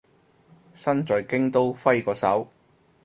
身在京都揮個手